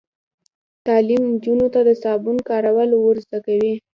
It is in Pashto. تعلیم نجونو ته د صابون کارول ور زده کوي.